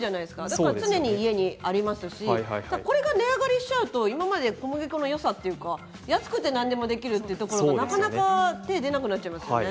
だから常に家にありますしこれが値上がりしちゃうと今まで、小麦粉のよさというか安くて何でもできるというところはなかなか手が出なくなりますよね。